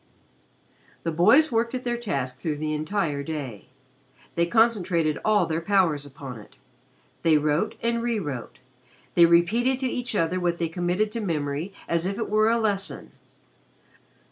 The boys worked at their task through the entire day. They concentrated all their powers upon it. They wrote and re wrote they repeated to each other what they committed to memory as if it were a lesson.